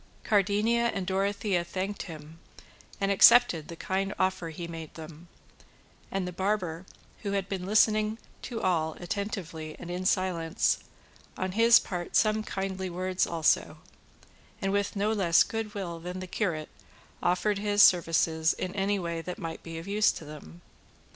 Cardenio and Dorothea thanked him, and accepted the kind offer he made them; and the barber, who had been listening to all attentively and in silence, on his part some kindly words also, and with no less good will than the curate offered his services in any way that might be of use to them.